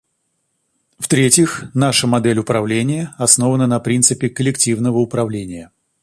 В-третьих, наша модель управления основана на принципе коллективного управления.